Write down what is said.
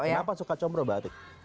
kenapa suka combro mbak atik